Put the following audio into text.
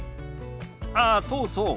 ああそうそう。